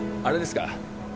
あれですか？